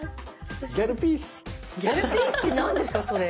ギャルピースって何ですかそれ？